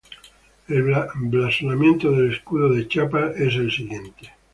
El blasonamiento del escudo de Chiapas es el siguiente.